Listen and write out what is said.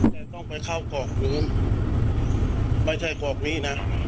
แต่ต้องไปเข้ากอกพื้นไม่ใช่กรอกนี้นะ